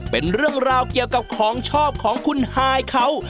เป็นเรื่องราวเกี่ยวกับของชอบของคุณฮายเขา